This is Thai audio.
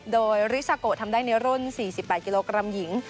โดยริซาโกทำได้ในรุ่น๔๘กิโลกรัมหญิง